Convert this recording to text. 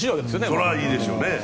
それはいいでしょうね。